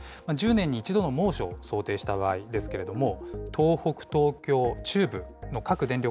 １０年に１度の猛暑を想定した場合ですけれども、東北、東京、中部の各電力